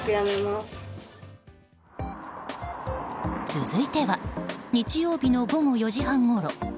続いては日曜日の午後４時半ごろ。